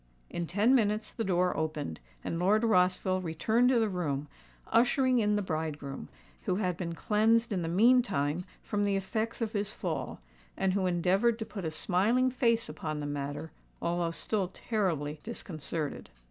In ten minutes the door opened, and Lord Rossville returned to the room, ushering in the bridegroom, who had been cleansed in the meantime from the effects of his fall, and who endeavoured to put a smiling face upon the matter, although still terribly disconcerted.